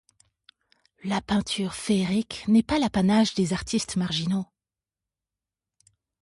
La peinture féerique n'est pas l'apanage des artistes marginaux.